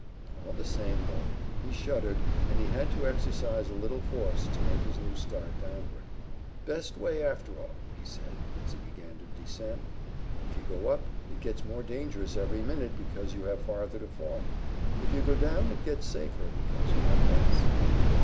All the same, though, he shuddered, and he had to exercise a little force to make his new start downward. "Best way after all," he said, as he began to descend. "If you go up, it gets more dangerous every minute, because you have farther to fall. If you go down, it gets safer, because you have less."